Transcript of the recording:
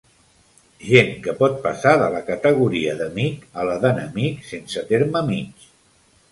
Gent que pot passar de la categoria d'amic a la d'enemic sense terme mig.